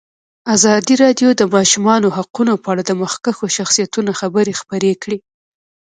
ازادي راډیو د د ماشومانو حقونه په اړه د مخکښو شخصیتونو خبرې خپرې کړي.